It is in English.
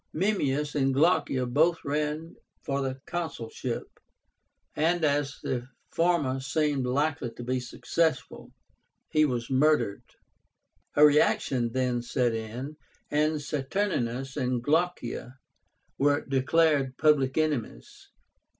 Memmius and Glaucia both ran for the consulship, and as the former seemed likely to be successful, he was murdered. A reaction then set in, and Saturnínus and Glaucia were declared public enemies.